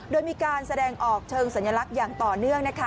โดยมีการแสดงออกเชิงสัญลักษณ์อย่างต่อเนื่องนะคะ